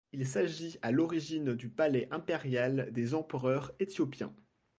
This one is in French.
Il s'agit à l'origine du palais impérial des empereurs éthiopiens.